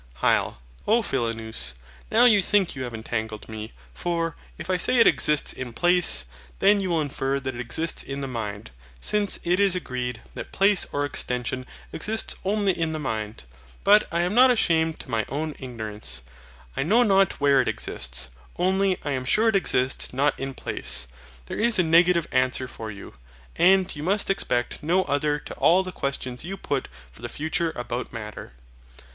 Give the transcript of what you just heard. HYL. Oh Philonous! now you think you have entangled me; for, if I say it exists in place, then you will infer that it exists in the mind, since it is agreed that place or extension exists only in the mind. But I am not ashamed to own my ignorance. I know not where it exists; only I am sure it exists not in place. There is a negative answer for you. And you must expect no other to all the questions you put for the future about Matter.